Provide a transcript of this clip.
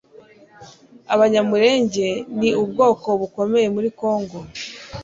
Abanyamulenge ni ubwoko bukomeye muri Congo,